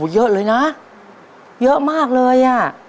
เยอะเลยนะเยอะมากเลยอ่ะ